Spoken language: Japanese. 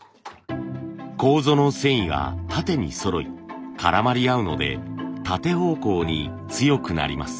楮の繊維が縦にそろい絡まり合うので縦方向に強くなります。